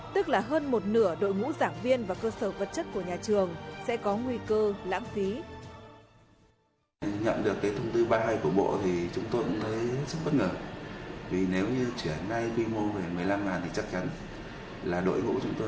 tức là hơn một nửa đội ngũ giảng viên và cơ sở vật chất của nhà trường sẽ có nguy cơ lãng phí